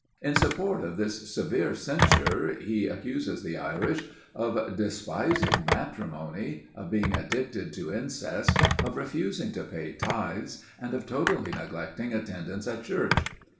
In support of this severe censure, he accuses the Irish of "despising matrimony, of being addicted to incest, of refusing to pay tithes, and of totally neglecting attendance at Church."